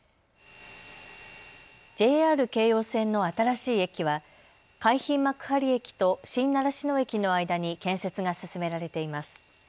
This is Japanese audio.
ＪＲ京葉線の新しい駅は海浜幕張駅と新習志野駅の間に建設が進められています。